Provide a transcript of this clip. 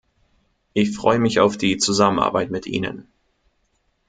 Ich freue mich auf die Zusammenarbeit mit Ihnen.